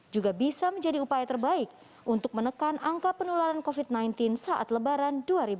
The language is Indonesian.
juga bisa menjadi upaya terbaik untuk menekan angka penularan covid sembilan belas saat lebaran dua ribu dua puluh